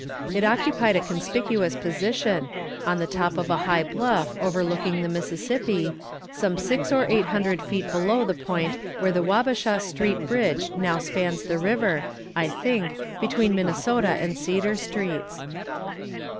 It occupied a conspicuous position, on the top of the high bluff overlooking the Mississippi, some six or eight hundred feet below the point where the Wabasha street bridge now spans the river, I think, between Minnesota and Cedar streets.